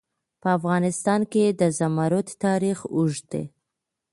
په افغانستان کې د زمرد تاریخ اوږد دی.